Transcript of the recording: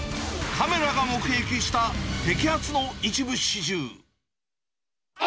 カメラが目撃した摘発の一部始終。